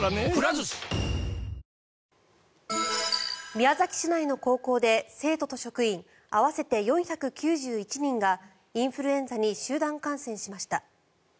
宮崎市内の高校で生徒と職員合わせて４９１人がインフルエンザに集団感染しました。